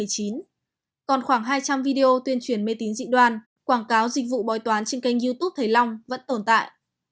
còn khoảng hai trăm linh video tuyên truyền mê tín dị đoan quảng cáo dịch vụ bói toán trên kênh youtube thầy long vẫn tồn tại